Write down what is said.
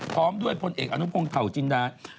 พร้อมด้วยพลเอกอนุพงศ์เผาจินดา